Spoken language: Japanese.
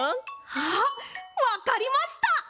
あっわかりました！